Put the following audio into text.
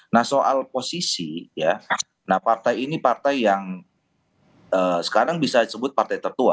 nah soal posisi ya nah partai ini partai yang sekarang bisa disebut partai tertua